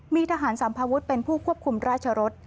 มีทหารสัมภาวุฒิเป็นผู้ควบคุมราชรส